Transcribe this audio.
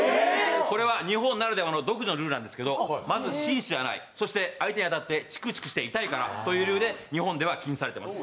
これは日本ならではの独自のルールなんですけど、まず紳士じゃない、そして相手に当たってチクチクして痛いからということで日本では禁止されています。